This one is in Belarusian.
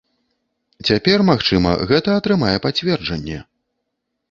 Цяпер, магчыма, гэта атрымае пацверджанне.